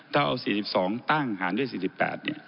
ถ้าเอา๔๒บาทตั้งหารด้วย๔๘บาท